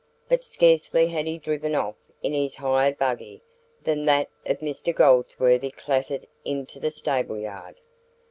But scarcely had he driven off in his hired buggy than that of Mr Goldsworthy clattered into the stableyard.